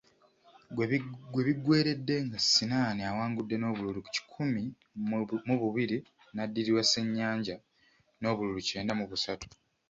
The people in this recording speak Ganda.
Gye biggweeredde nga Sinaani awangudde n’obululu kikumi mu bubiri, n’addirirwa Ssennyanja n’obululu kyenda mu busatu.